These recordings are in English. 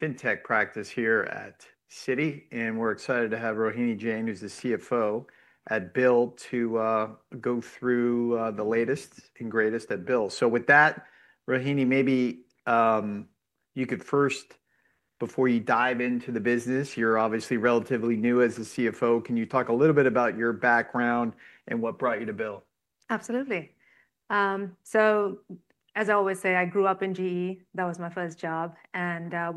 FinTech practice here at Citi, and we're excited to have Rohini Jain, who's the CFO at BILL, to go through the latest and greatest at BILL. With that, Rohini, maybe you could first, before you dive into the business, you're obviously relatively new as a CFO. Can you talk a little bit about your background and what brought you to BILL? Absolutely. As I always say, I grew up in GE. That was my first job.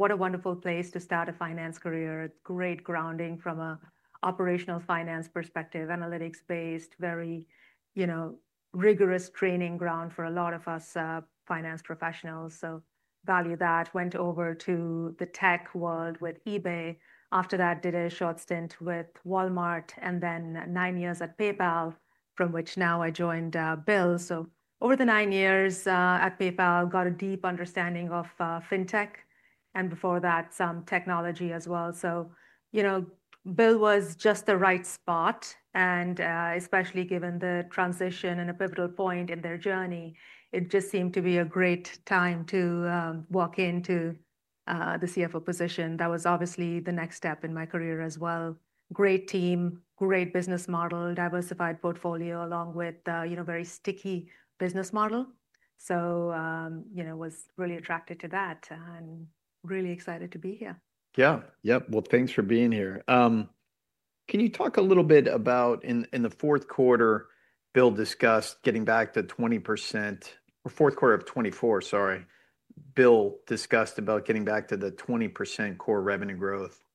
What a wonderful place to start a finance career. Great grounding from an operational finance perspective, analytics-based, very, you know, rigorous training ground for a lot of us finance professionals. Value that. Went over to the tech world with eBay. After that, did a short stint with Walmart, and then nine years at PayPal, from which now I joined BILL. Over the nine years at PayPal, got a deep understanding of FinTech, and before that, some technology as well. You know, BILL was just the right spot, and especially given the transition and a pivotal point in their journey, it just seemed to be a great time to walk into the CFO position. That was obviously the next step in my career as well. Great team, great business model, diversified portfolio, along with, you know, very sticky business model. You know, was really attracted to that and really excited to be here.. Yep. Thanks for being here. Can you talk a little bit about, in the fourth quarter, BILL discussed getting back to 20%, or fourth quarter of 2024, sorry, BILL discussed about getting back to the 20% core revenue growth.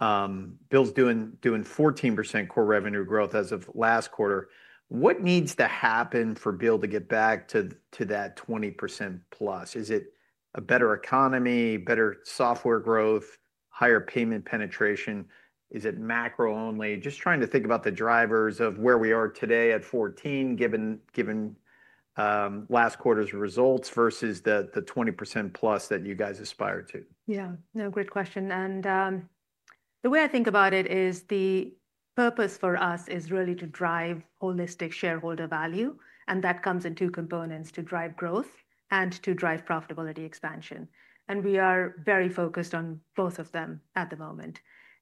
BILL's doing 14% core revenue growth as of last quarter. What needs to happen for BILL to get back to that 20% plus? Is it a better economy, better software growth, higher payment penetration? Is it macro only? Just trying to think about the drivers of where we are today at 14, given last quarter's results versus the 20% plus that you guys aspire to.. No, great question. The way I think about it is the purpose for us is really to drive holistic shareholder value. That comes in two components: to drive growth and to drive profitability expansion. We are very focused on both of them at the moment.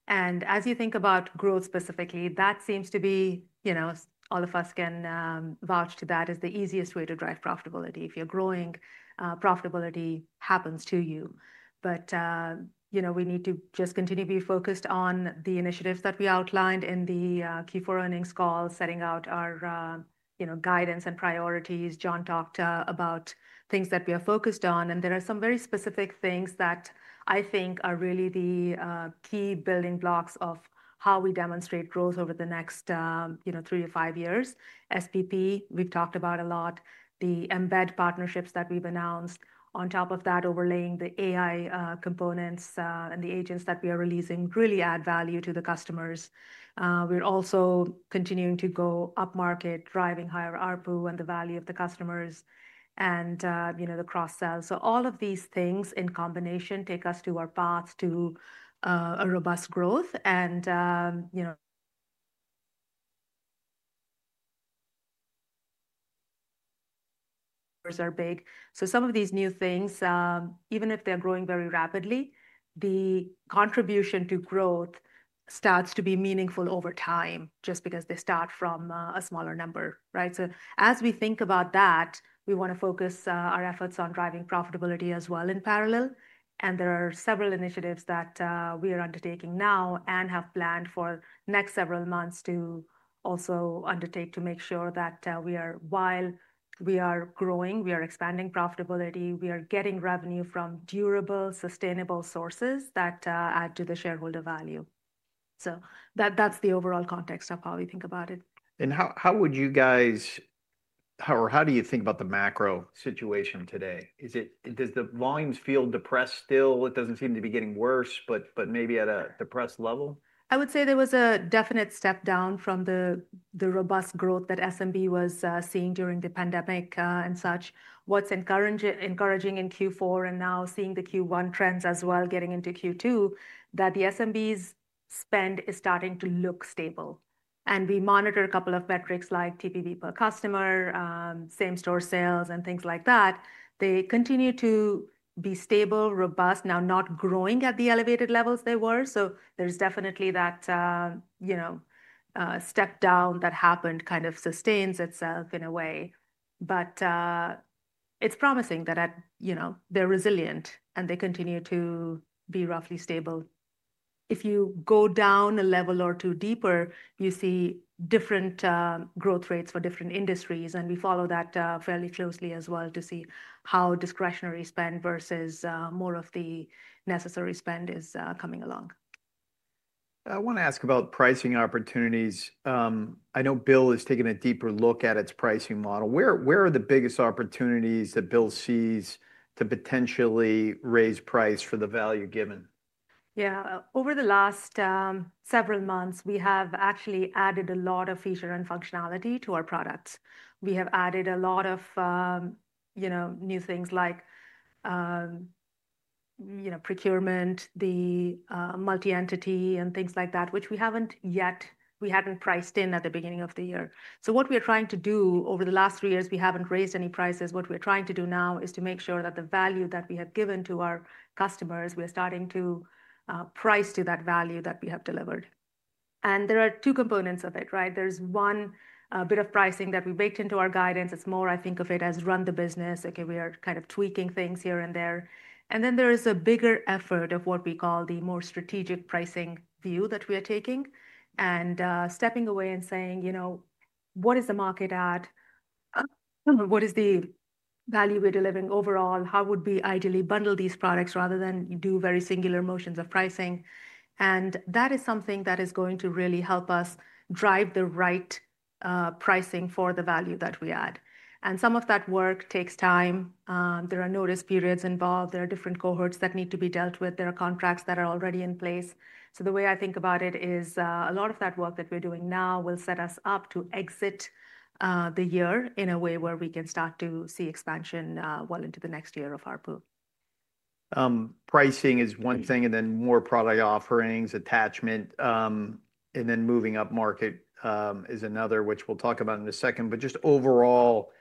As you think about growth specifically, that seems to be, you know, all of us can vouch to that as the easiest way to drive profitability. If you're growing, profitability happens to you. You know, we need to just continue to be focused on the initiatives that we outlined in the Q4 earnings call, setting out our, you know, guidance and priorities. John talked about things that we are focused on, and there are some very specific things that I think are really the key building blocks of how we demonstrate growth over the next, you know, three to five years. SPP, we've talked about a lot. The embedded partnerships that we've announced. On top of that, overlaying the AI components and the agents that we are releasing really add value to the customers. We're also continuing to go upmarket, driving higher RPU and the value of the customers and, you know, the cross-sell. All of these things in combination take us to our path to a robust growth. You know, are big. Some of these new things, even if they're growing very rapidly, the contribution to growth starts to be meaningful over time just because they start from a smaller number, right? As we think about that, we want to focus our efforts on driving profitability as well in parallel. There are several initiatives that we are undertaking now and have planned for the next several months to also undertake to make sure that we are, while we are growing, we are expanding profitability, we are getting revenue from durable, sustainable sources that add to the shareholder value. That is the overall context of how we think about it. How would you guys, or how do you think about the macro situation today? Does the volumes feel depressed still? It does not seem to be getting worse, but maybe at a depressed level? I would say there was a definite step down from the robust growth that SMB was seeing during the pandemic and such. What's encouraging in Q4 and now seeing the Q1 trends as well, getting into Q2, that the SMB's spend is starting to look stable. And we monitor a couple of metrics like TPV per customer, same-store sales, and things like that. They continue to be stable, robust, now not growing at the elevated levels they were. So there's definitely that, you know, step down that happened kind of sustains itself in a way. But it's promising that, you know, they're resilient and they continue to be roughly stable. If you go down a level or two deeper, you see different growth rates for different industries. And we follow that fairly closely as well to see how discretionary spend versus more of the necessary spend is coming along. I want to ask about pricing opportunities. I know BILL has taken a deeper look at its pricing model. Where are the biggest opportunities that BILL sees to potentially raise price for the value given? . Over the last several months, we have actually added a lot of feature and functionality to our products. We have added a lot of, you know, new things like, you know, procurement, the multi-entity, and things like that, which we have not yet, we had not priced in at the beginning of the year. What we are trying to do over the last three years, we have not raised any prices. What we are trying to do now is to make sure that the value that we have given to our customers, we are starting to price to that value that we have delivered. There are two components of it, right? There is one bit of pricing that we baked into our guidance. It is more, I think of it as run the business. Okay, we are kind of tweaking things here and there. There is a bigger effort of what we call the more strategic pricing view that we are taking and stepping away and saying, you know, what is the market at? What is the value we're delivering overall? How would we ideally bundle these products rather than do very singular motions of pricing? That is something that is going to really help us drive the right pricing for the value that we add. Some of that work takes time. There are notice periods involved. There are different cohorts that need to be dealt with. There are contracts that are already in place. The way I think about it is a lot of that work that we're doing now will set us up to exit the year in a way where we can start to see expansion well into the next year of our pool. Pricing is one thing, and then more product offerings, attachment, and then moving up market is another, which we will talk about in a second. Just overall,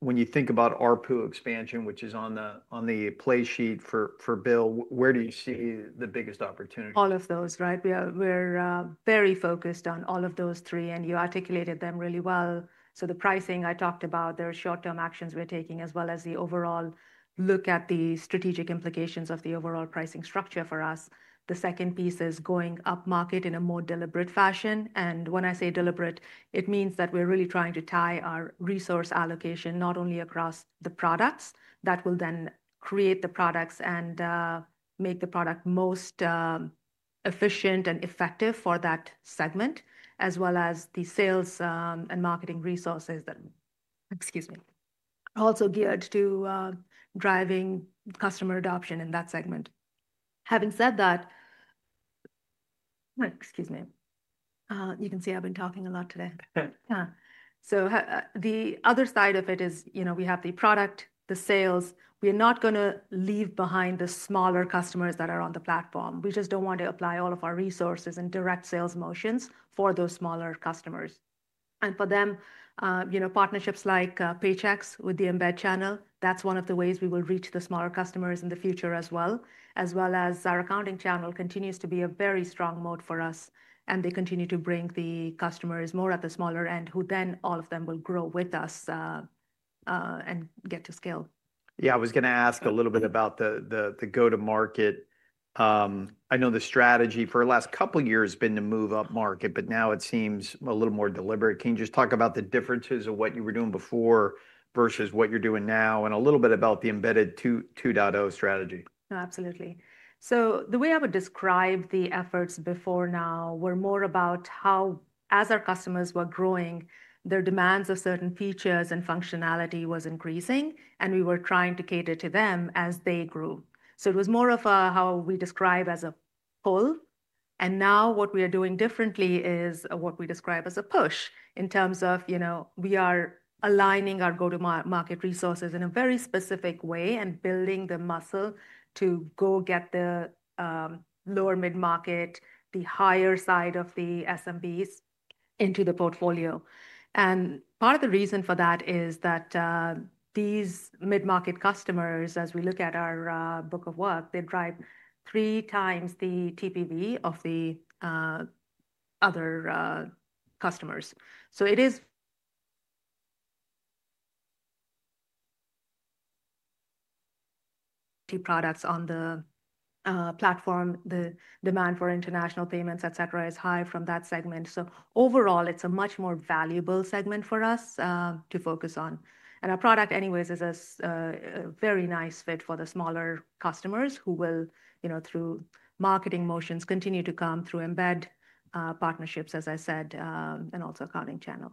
when you think about RPU expansion, which is on the play sheet for BILL, where do you see the biggest opportunity? All of those, right? We're very focused on all of those three, and you articulated them really well. The pricing I talked about, there are short-term actions we're taking, as well as the overall look at the strategic implications of the overall pricing structure for us. The second piece is going up market in a more deliberate fashion. When I say deliberate, it means that we're really trying to tie our resource allocation not only across the products that will then create the products and make the product most efficient and effective for that segment, as well as the sales and marketing resources that, excuse me, are also geared to driving customer adoption in that segment. Having said that, excuse me, you can see I've been talking a lot today.. The other side of it is, you know, we have the product, the sales. We are not going to leave behind the smaller customers that are on the platform. We just do not want to apply all of our resources and direct sales motions for those smaller customers. For them, you know, partnerships like Paychex with the embed channel, that is one of the ways we will reach the smaller customers in the future as well, as well as our accounting channel continues to be a very strong mode for us. They continue to bring the customers more at the smaller end, who then all of them will grow with us and get to scale., I was going to ask a little bit about the go-to-market. I know the strategy for the last couple of years has been to move up market, but now it seems a little more deliberate. Can you just talk about the differences of what you were doing before versus what you're doing now, and a little bit about the embedded 2.0 strategy? No, absolutely. The way I would describe the efforts before now were more about how, as our customers were growing, their demands of certain features and functionality were increasing, and we were trying to cater to them as they grew. It was more of how we describe as a pull. Now what we are doing differently is what we describe as a push in terms of, you know, we are aligning our go-to-market resources in a very specific way and building the muscle to go get the lower mid-market, the higher side of the SMBs into the portfolio. Part of the reason for that is that these mid-market customers, as we look at our book of work, they drive three times the TPV of the other customers. It is products on the platform. The demand for international payments, et cetera, is high from that segment. Overall, it's a much more valuable segment for us to focus on. And our product anyways is a very nice fit for the smaller customers who will, you know, through marketing motions, continue to come through embedded partnerships, as I said, and also accounting channel.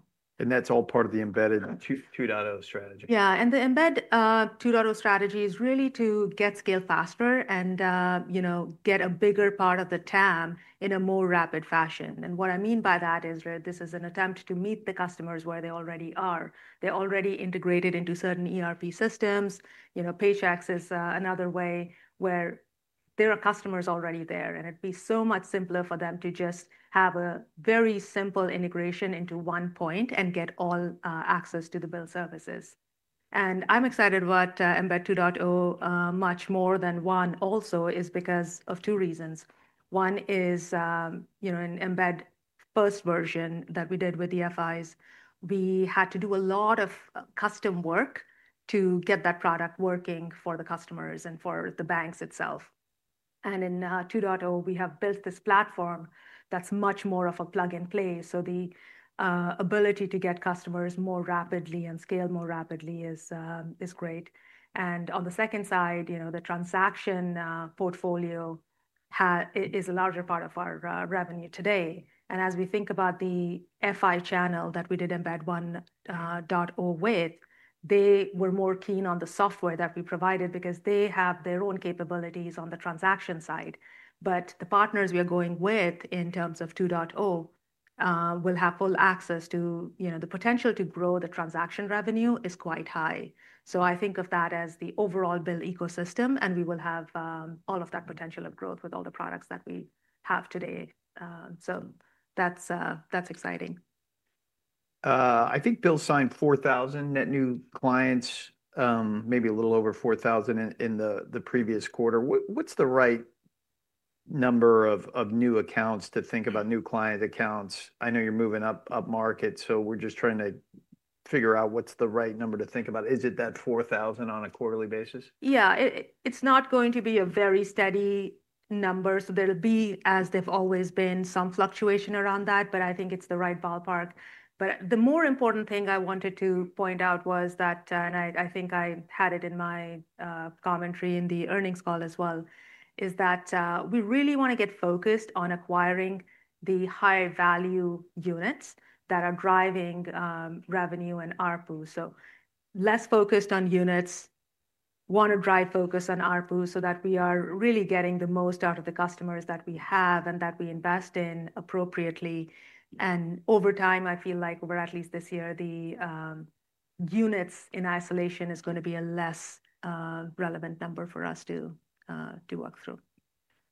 That is all part of the embedded 2.0 strategy.. The embedded 2.0 strategy is really to get scale faster and, you know, get a bigger part of the TAM in a more rapid fashion. What I mean by that is, Rick, this is an attempt to meet the customers where they already are. They're already integrated into certain ERP systems. You know, Paychex is another way where there are customers already there, and it'd be so much simpler for them to just have a very simple integration into one point and get all access to the BILL services. I'm excited about embedded 2.0 much more than one also is because of two reasons. One is, you know, in embedded first version that we did with the FIs, we had to do a lot of custom work to get that product working for the customers and for the banks itself. In 2.0, we have built this platform that's much more of a plug and play. The ability to get customers more rapidly and scale more rapidly is great. On the second side, you know, the transaction portfolio is a larger part of our revenue today. As we think about the FI channel that we did embedded 1.0 with, they were more keen on the software that we provided because they have their own capabilities on the transaction side. The partners we are going with in terms of 2.0 will have full access to, you know, the potential to grow the transaction revenue is quite high. I think of that as the overall BILL ecosystem, and we will have all of that potential of growth with all the products that we have today. That's exciting. I think BILL signed 4,000 net new clients, maybe a little over 4,000 in the previous quarter. What's the right number of new accounts to think about new client accounts? I know you're moving up market, so we're just trying to figure out what's the right number to think about. Is it that 4,000 on a quarterly basis?, it's not going to be a very steady number. There'll be, as they've always been, some fluctuation around that, but I think it's the right ballpark. The more important thing I wanted to point out was that, and I think I had it in my commentary in the earnings call as well, is that we really want to get focused on acquiring the high-value units that are driving revenue and RPU. Less focused on units, want to drive focus on RPU so that we are really getting the most out of the customers that we have and that we invest in appropriately. Over time, I feel like we're at least this year, the units in isolation is going to be a less relevant number for us to work through.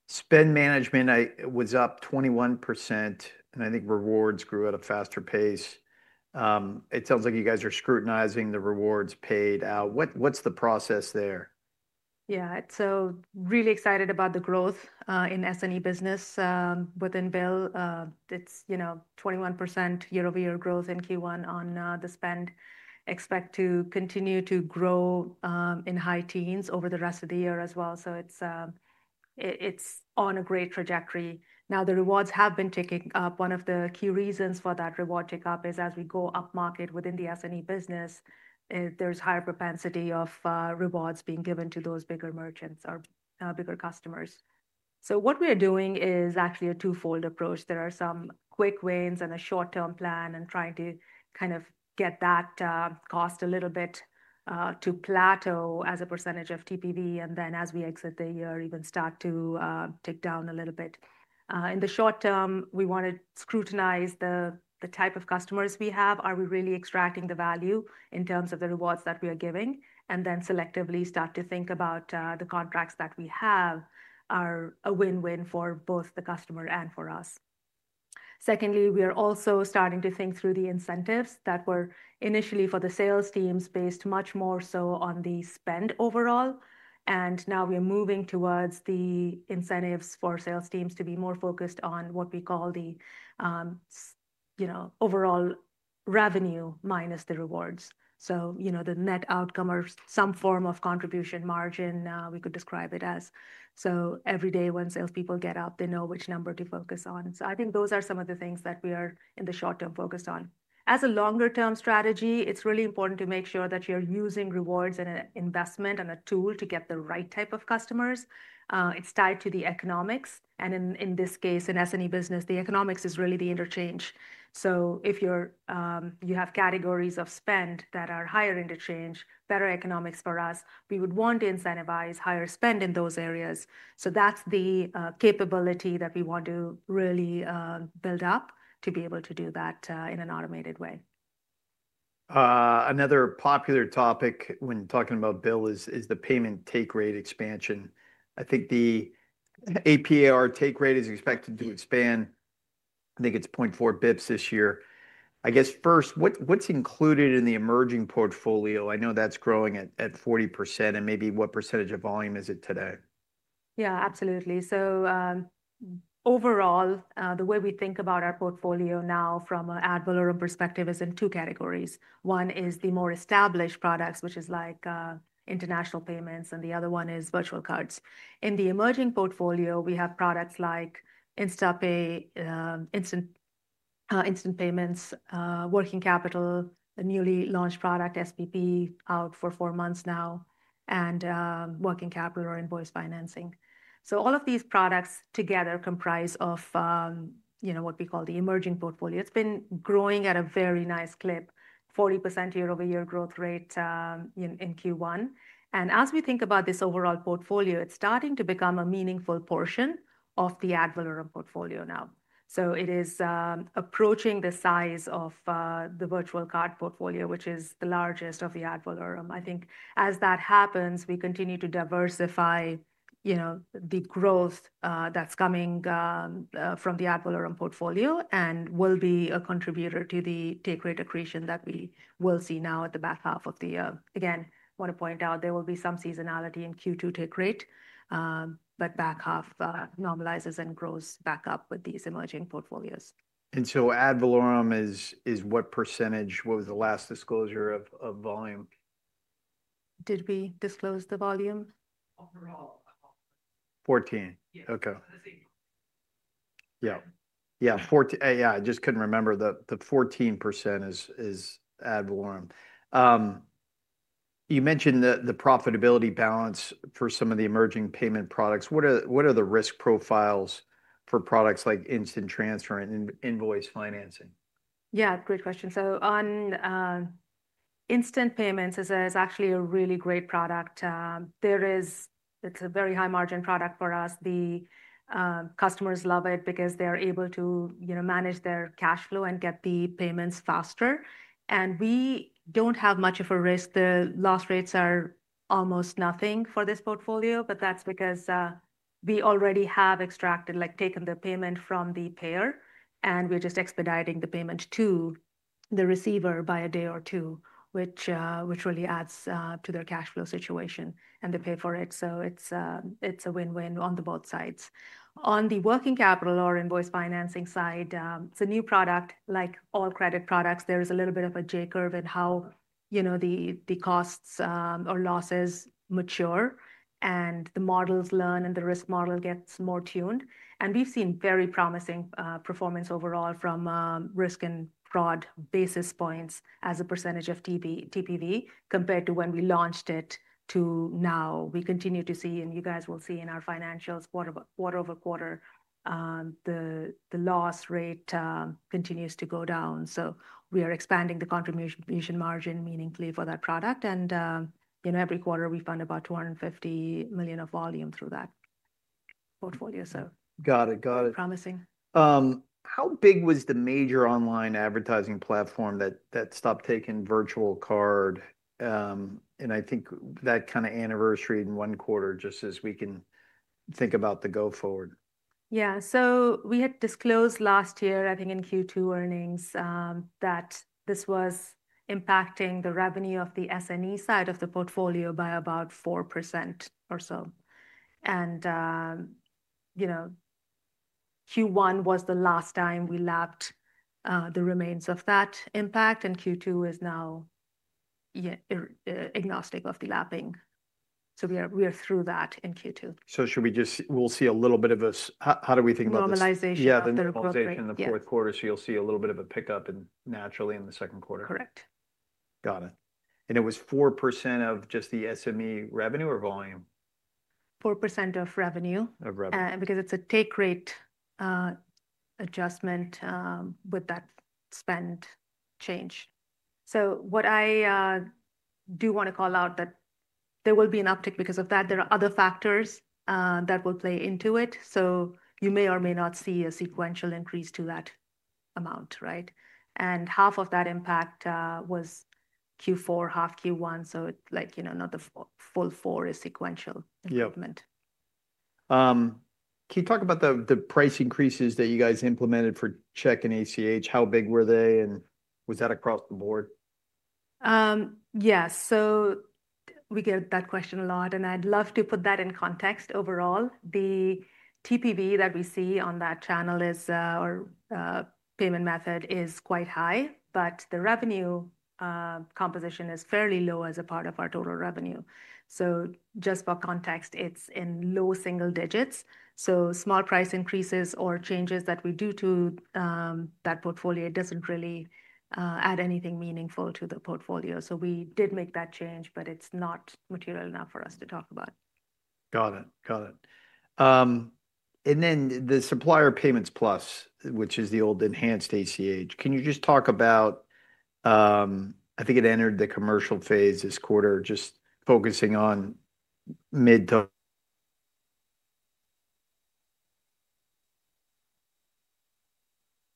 Spend management was up 21%, and I think rewards grew at a faster pace. It sounds like you guys are scrutinizing the rewards paid out. What's the process there?, so really excited about the growth in S&E business within BILL. It's, you know, 21% year-over-year growth in Q1 on the spend. Expect to continue to grow in high teens over the rest of the year as well. It's on a great trajectory. Now, the rewards have been ticking up. One of the key reasons for that reward tick-up is as we go up market within the S&E business, there's higher propensity of rewards being given to those bigger merchants or bigger customers. What we are doing is actually a twofold approach. There are some quick wins and a short-term plan and trying to kind of get that cost a little bit to plateau as a percentage of TPV, and then as we exit the year, even start to tick down a little bit. In the short term, we want to scrutinize the type of customers we have. Are we really extracting the value in terms of the rewards that we are giving? Then selectively start to think about the contracts that we have are a win-win for both the customer and for us. Secondly, we are also starting to think through the incentives that were initially for the sales teams based much more so on the spend overall. Now we are moving towards the incentives for sales teams to be more focused on what we call the, you know, overall revenue minus the rewards. You know, the net outcome or some form of contribution margin, we could describe it as. Every day when salespeople get up, they know which number to focus on. I think those are some of the things that we are in the short term focused on. As a longer term strategy, it's really important to make sure that you're using rewards and an investment and a tool to get the right type of customers. It's tied to the economics. In this case, in S&E business, the economics is really the interchange. If you have categories of spend that are higher interchange, better economics for us, we would want to incentivize higher spend in those areas. That's the capability that we want to really build up to be able to do that in an automated way. Another popular topic when talking about BILL is the payment take rate expansion. I think the APAR take rate is expected to expand. I think it's 0.4 basis points this year. I guess first, what's included in the emerging portfolio? I know that's growing at 40%, and maybe what percentage of volume is it today?, absolutely. So overall, the way we think about our portfolio now from an ad valorem perspective is in two categories. One is the more established products, which is like international payments, and the other one is virtual cards. In the emerging portfolio, we have products like Instant Pay, Instant Payments, Working Capital, the newly launched product SPP out for four months now, and Working Capital or invoice financing. All of these products together comprise, you know, what we call the emerging portfolio. It has been growing at a very nice clip, 40% year-over-year growth rate in Q1. As we think about this overall portfolio, it is starting to become a meaningful portion of the ad valorem portfolio now. It is approaching the size of the virtual card portfolio, which is the largest of the ad valorem. I think as that happens, we continue to diversify, you know, the growth that's coming from the ad valorem portfolio and will be a contributor to the take rate accretion that we will see now at the back half of the year. Again, I want to point out there will be some seasonality in Q2 take rate, but back half normalizes and grows back up with these emerging portfolios. Ad valorem is what percentage? What was the last disclosure of volume? Did we disclose the volume? 14. Okay... I just could not remember the 14% is ad valorem. You mentioned the profitability balance for some of the emerging payment products. What are the risk profiles for products like instant transfer and invoice financing?, great question. On instant payments, it's actually a really great product. It is a very high margin product for us. The customers love it because they are able to, you know, manage their cash flow and get the payments faster. We do not have much of a risk. The loss rates are almost nothing for this portfolio, but that's because we already have extracted, like taken the payment from the payer, and we are just expediting the payment to the receiver by a day or two, which really adds to their cash flow situation and they pay for it. It is a win-win on both sides. On the working capital or invoice financing side, it is a new product like all credit products. There is a little bit of a J curve in how, you know, the costs or losses mature and the models learn and the risk model gets more tuned. We have seen very promising performance overall from risk and fraud basis points as a percentage of TPV compared to when we launched it to now. We continue to see, and you guys will see in our financials quarter over quarter, the loss rate continues to go down. We are expanding the contribution margin meaningfully for that product. You know, every quarter we fund about $250 million of volume through that portfolio. Got it. Got it. Promising. How big was the major online advertising platform that stopped taking virtual card? I think that kind of anniversary in one quarter just as we can think about the go forward.. We had disclosed last year, I think in Q2 earnings, that this was impacting the revenue of the S&E side of the portfolio by about 4% or so. You know, Q1 was the last time we lapped the remains of that impact, and Q2 is now agnostic of the lapping. We are through that in Q2. Should we just, we'll see a little bit of a, how do we think about this? Normalization of the report., the normalization of the fourth quarter. You'll see a little bit of a pickup naturally in the second quarter. Correct. Got it. And it was 4% of just the SMB revenue or volume? 4% of revenue. Of revenue. Because it's a take rate adjustment with that spend change. What I do want to call out is that there will be an uptick because of that. There are other factors that will play into it. You may or may not see a sequential increase to that amount, right? Half of that impact was Q4, half Q1. It's like, you know, not the full four is sequential improvement. Can you talk about the price increases that you guys implemented for check and ACH? How big were they? Was that across the board? Yes. We get that question a lot. I'd love to put that in context. Overall, the TPV that we see on that channel is, or payment method is, quite high, but the revenue composition is fairly low as a part of our total revenue. Just for context, it's in low single digits. Small price increases or changes that we do to that portfolio do not really add anything meaningful to the portfolio. We did make that change, but it's not material enough for us to talk about. Got it. Got it. The Supplier Payments Plus, which is the old enhanced ACH, can you just talk about, I think it entered the commercial phase this quarter, just focusing on mid-term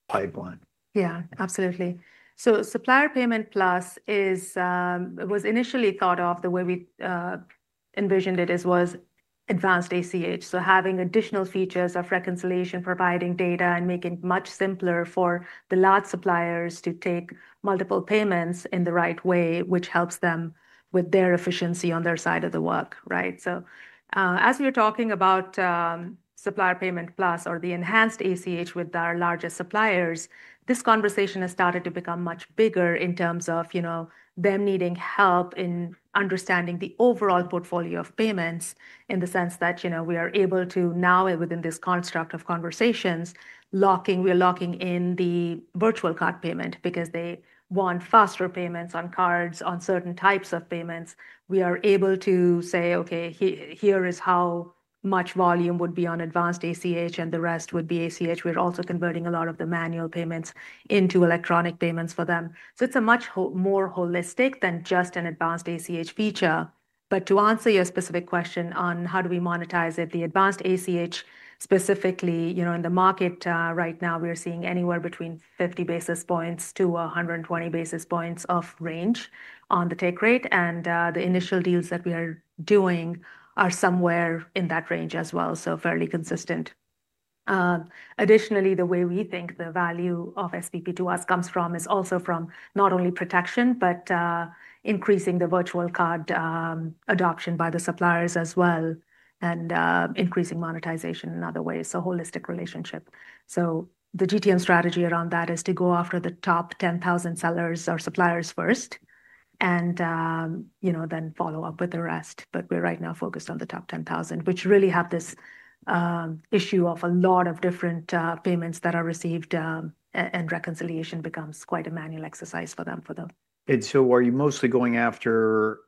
pipeline?, absolutely. Supplier Payments Plus was initially thought of, the way we envisioned it, as advanced ACH. Having additional features of reconciliation, providing data, and making it much simpler for the large suppliers to take multiple payments in the right way, which helps them with their efficiency on their side of the work, right? As we were talking about Supplier Payments Plus or the enhanced ACH with our largest suppliers, this conversation has started to become much bigger in terms of, you know, them needing help in understanding the overall portfolio of payments in the sense that, you know, we are able to now, within this construct of conversations, we are locking in the virtual card payment because they want faster payments on cards on certain types of payments. We are able to say, okay, here is how much volume would be on advanced ACH and the rest would be ACH. We're also converting a lot of the manual payments into electronic payments for them. It is much more holistic than just an advanced ACH feature. To answer your specific question on how do we monetize it, the advanced ACH specifically, you know, in the market right now, we are seeing anywhere between 50 basis points-120 basis points of range on the take rate. The initial deals that we are doing are somewhere in that range as well, so fairly consistent. Additionally, the way we think the value of SPP to us comes from is also from not only protection, but increasing the virtual card adoption by the suppliers as well and increasing monetization in other ways. Holistic relationship. The GTM strategy around that is to go after the top 10,000 sellers or suppliers first and, you know, then follow up with the rest. We're right now focused on the top 10,000, which really have this issue of a lot of different payments that are received and reconciliation becomes quite a manual exercise for them. Are you mostly going after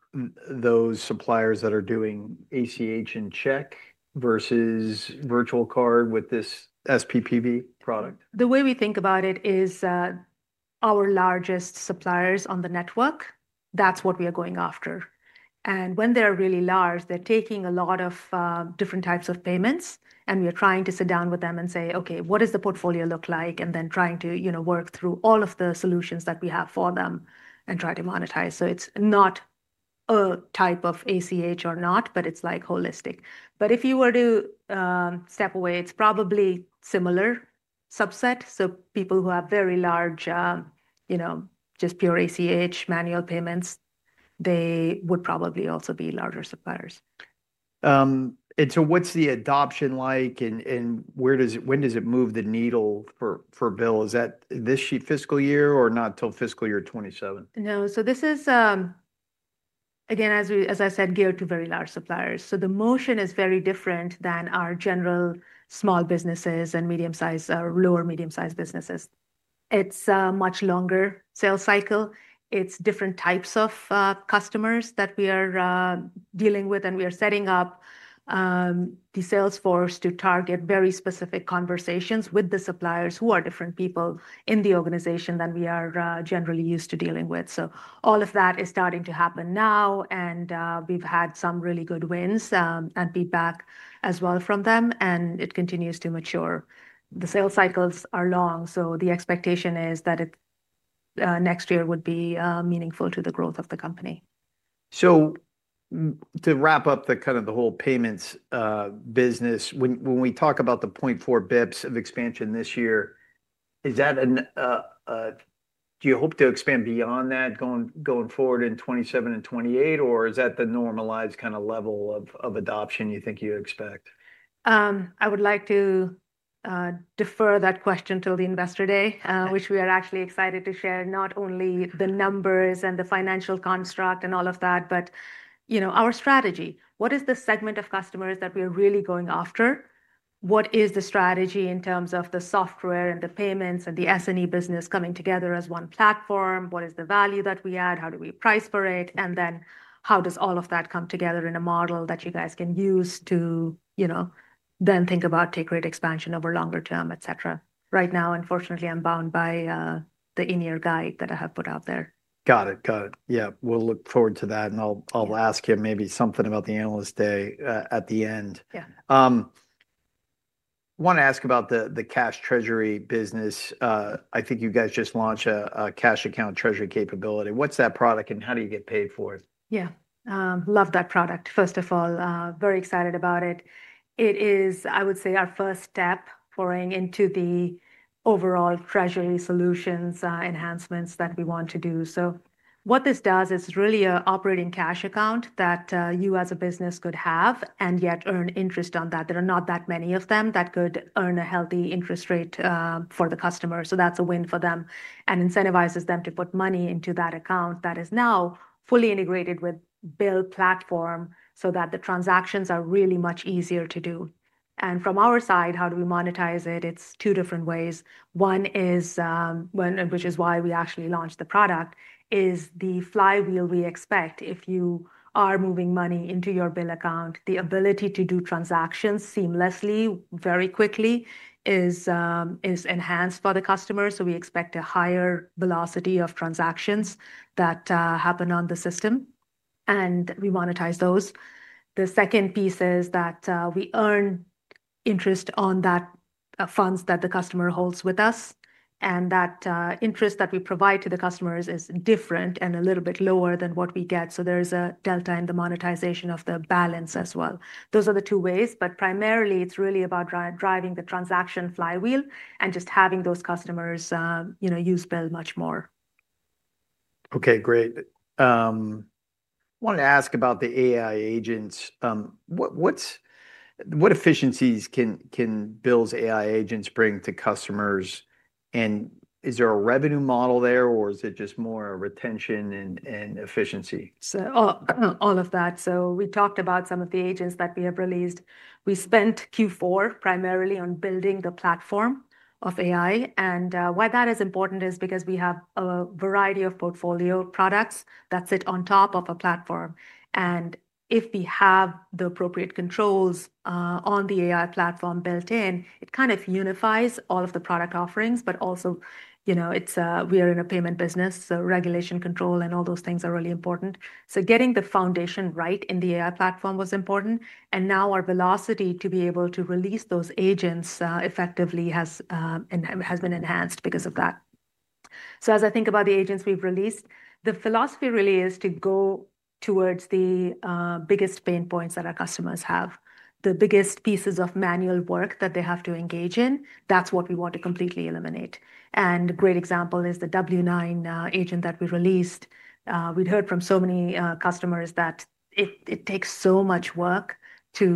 those suppliers that are doing ACH and check versus virtual card with this SPP product? The way we think about it is our largest suppliers on the network, that's what we are going after. When they're really large, they're taking a lot of different types of payments. We are trying to sit down with them and say, okay, what does the portfolio look like? Then trying to, you know, work through all of the solutions that we have for them and try to monetize. It is not a type of ACH or not, but it is holistic. If you were to step away, it is probably a similar subset. People who have very large, you know, just pure ACH manual payments, they would probably also be larger suppliers. What's the adoption like and when does it move the needle for BILL? Is that this fiscal year or not till fiscal year 2027? No. This is, again, as I said, geared to very large suppliers. The motion is very different than our general small businesses and medium-sized or lower medium-sized businesses. It is a much longer sales cycle. It is different types of customers that we are dealing with. We are setting up the sales force to target very specific conversations with the suppliers who are different people in the organization than we are generally used to dealing with. All of that is starting to happen now. We have had some really good wins and feedback as well from them. It continues to mature. The sales cycles are long. The expectation is that next year would be meaningful to the growth of the company. To wrap up the kind of the whole payments business, when we talk about the 0.4 basis points of expansion this year, is that an, do you hope to expand beyond that going forward in 2027 and 2028? Or is that the normalized kind of level of adoption you think you expect? I would like to defer that question till the investor day, which we are actually excited to share not only the numbers and the financial construct and all of that, but, you know, our strategy. What is the segment of customers that we are really going after? What is the strategy in terms of the software and the payments and the S&E business coming together as one platform? What is the value that we add? How do we price for it? And then how does all of that come together in a model that you guys can use to, you know, then think about take rate expansion over longer term, et cetera? Right now, unfortunately, I'm bound by the in-year guide that I have put out there. Got it. Got it.. We'll look forward to that. I'll ask him maybe something about the analyst day at the end. I want to ask about the cash treasury business. I think you guys just launched a cash account treasury capability. What's that product and how do you get paid for it?. Love that product. First of all, very excited about it. It is, I would say, our first step for going into the overall treasury solutions enhancements that we want to do. What this does is really an operating cash account that you as a business could have and yet earn interest on that. There are not that many of them that could earn a healthy interest rate for the customer. That is a win for them and incentivizes them to put money into that account that is now fully integrated with BILL platform so that the transactions are really much easier to do. From our side, how do we monetize it? It is two different ways. One is, which is why we actually launched the product, is the flywheel we expect. If you are moving money into your BILL account, the ability to do transactions seamlessly, very quickly is enhanced for the customers. We expect a higher velocity of transactions that happen on the system. We monetize those. The second piece is that we earn interest on that funds that the customer holds with us. That interest that we provide to the customers is different and a little bit lower than what we get. There is a delta in the monetization of the balance as well. Those are the two ways. Primarily, it is really about driving the transaction flywheel and just having those customers, you know, use BILL much more. Okay. Great. I want to ask about the AI agents. What efficiencies can BILL's AI agents bring to customers? Is there a revenue model there or is it just more retention and efficiency? All of that. We talked about some of the agents that we have released. We spent Q4 primarily on building the platform of AI. Why that is important is because we have a variety of portfolio products that sit on top of a platform. If we have the appropriate controls on the AI platform built in, it kind of unifies all of the product offerings. Also, you know, we are in a payment business. Regulation control and all those things are really important. Getting the foundation right in the AI platform was important. Now our velocity to be able to release those agents effectively has been enhanced because of that. As I think about the agents we've released, the philosophy really is to go towards the biggest pain points that our customers have, the biggest pieces of manual work that they have to engage in. That's what we want to completely eliminate. A great example is the W9 agent that we released. We'd heard from so many customers that it takes so much work to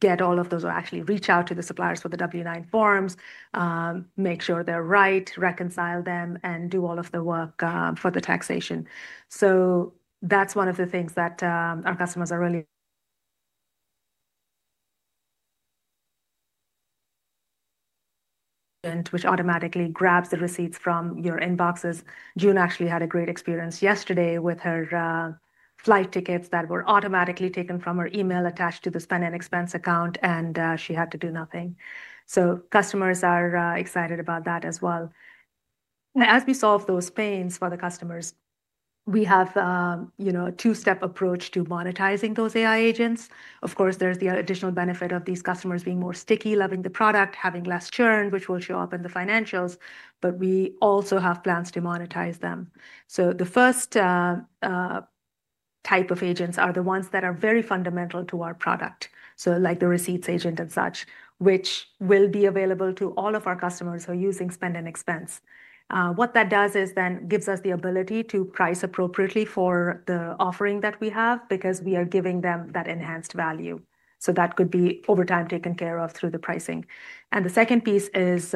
get all of those or actually reach out to the suppliers for the W9 forms, make sure they're right, reconcile them, and do all of the work for the taxation. That's one of the things that our customers are really which automatically grabs the receipts from your inboxes. June actually had a great experience yesterday with her flight tickets that were automatically taken from her email, attached to the spend and expense account, and she had to do nothing. Customers are excited about that as well. As we solve those pains for the customers, we have, you know, a two-step approach to monetizing those AI agents. Of course, there's the additional benefit of these customers being more sticky, loving the product, having less churn, which will show up in the financials. We also have plans to monetize them. The first type of agents are the ones that are very fundamental to our product, like the receipts agent and such, which will be available to all of our customers who are using spend and expense. What that does is then gives us the ability to price appropriately for the offering that we have because we are giving them that enhanced value. That could be over time taken care of through the pricing. The second piece is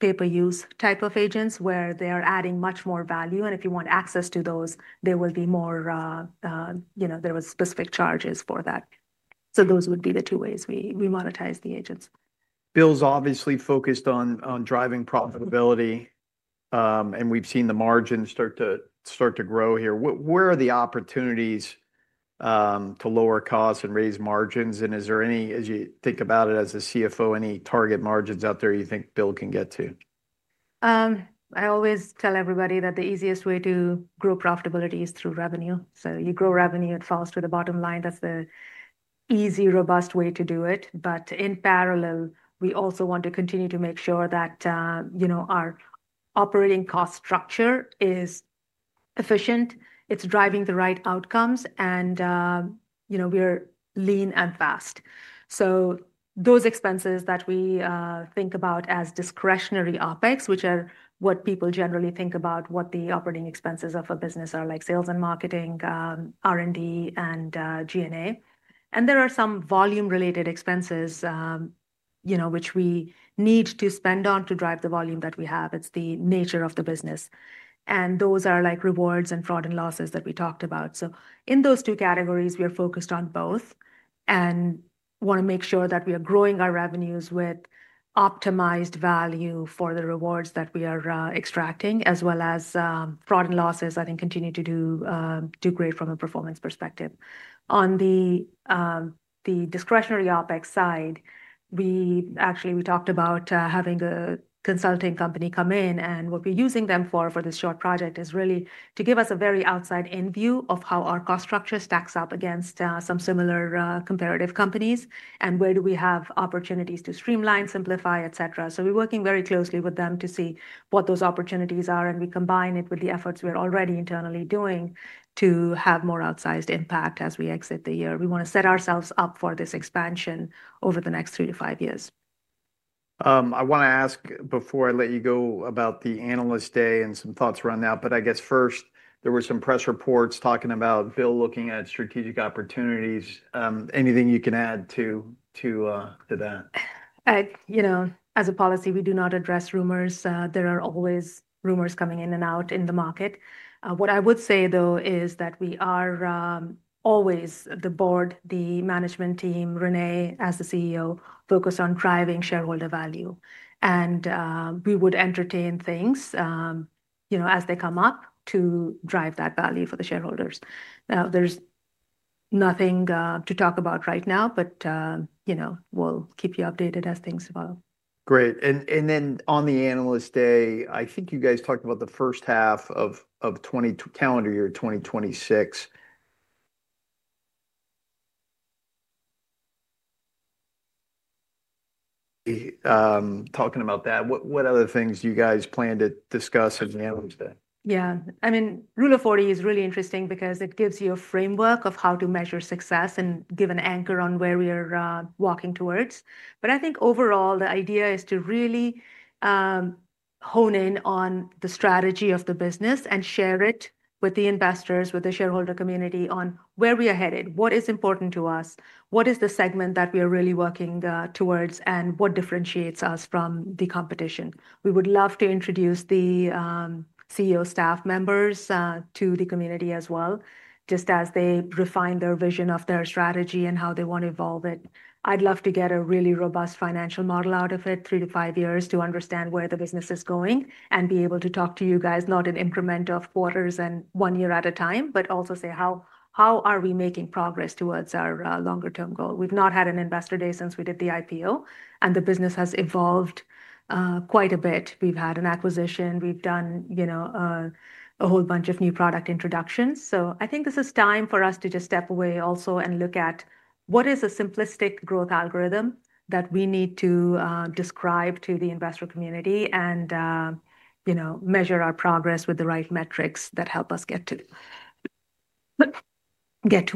pay-per-use type of agents where they are adding much more value. And if you want access to those, there will be more, you know, there were specific charges for that. Those would be the two ways we monetize the agents. BILL's obviously focused on driving profitability. We've seen the margins start to grow here. Where are the opportunities to lower costs and raise margins? Is there any, as you think about it as a CFO, any target margins out there you think BILL can get to? I always tell everybody that the easiest way to grow profitability is through revenue. You grow revenue, it falls to the bottom line. That's the easy, robust way to do it. In parallel, we also want to continue to make sure that, you know, our operating cost structure is efficient. It's driving the right outcomes. You know, we are lean and fast. Those expenses that we think about as discretionary OPEX, which are what people generally think about, what the operating expenses of a business are, like sales and marketing, R&D, and G&A. There are some volume-related expenses, you know, which we need to spend on to drive the volume that we have. It's the nature of the business. Those are like rewards and fraud and losses that we talked about. In those two categories, we are focused on both and want to make sure that we are growing our revenues with optimized value for the rewards that we are extracting, as well as fraud and losses, I think, continue to do great from a performance perspective. On the discretionary OPEX side, we actually talked about having a consulting company come in. What we are using them for for this short project is really to give us a very outside-in view of how our cost structure stacks up against some similar comparative companies and where we have opportunities to streamline, simplify, et cetera. We are working very closely with them to see what those opportunities are. We combine it with the efforts we are already internally doing to have more outsized impact as we exit the year. We want to set ourselves up for this expansion over the next three to five years. I want to ask before I let you go about the analyst day and some thoughts around that. I guess first, there were some press reports talking about BILL looking at strategic opportunities. Anything you can add to that? You know, as a policy, we do not address rumors. There are always rumors coming in and out in the market. What I would say, though, is that we are always, the board, the management team, Rohini as the CEO, focused on driving shareholder value. And we would entertain things, you know, as they come up to drive that value for the shareholders. Now, there is nothing to talk about right now, but, you know, we will keep you updated as things evolve. Great. On the analyst day, I think you guys talked about the first half of calendar year 2026. Talking about that, what other things do you guys plan to discuss at the analyst day? . I mean, Rule of 40 is really interesting because it gives you a framework of how to measure success and give an anchor on where we are walking towards. I think overall, the idea is to really hone in on the strategy of the business and share it with the investors, with the shareholder community on where we are headed, what is important to us, what is the segment that we are really working towards, and what differentiates us from the competition. We would love to introduce the CEO staff members to the community as well, just as they refine their vision of their strategy and how they want to evolve it. I'd love to get a really robust financial model out of it, three to five years, to understand where the business is going and be able to talk to you guys, not in incremental quarters and one year at a time, but also say, how are we making progress towards our longer-term goal? We've not had an investor day since we did the IPO. The business has evolved quite a bit. We've had an acquisition. We've done, you know, a whole bunch of new product introductions. I think this is time for us to just step away also and look at what is a simplistic growth algorithm that we need to describe to the investor community and, you know, measure our progress with the right metrics that help us get to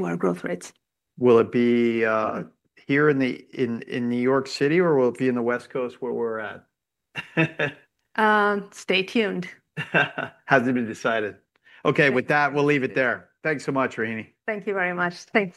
our growth rates. Will it be here in New York City, or will it be in the West Coast where we're at? Stay tuned. Hasn't been decided. Okay. With that, we'll leave it there. Thanks so much, Rohini. Thank you very much. Thanks.